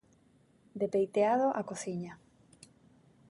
De peiteado a cociña.